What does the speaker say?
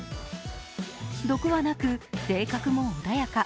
毒はなく性格も穏やか。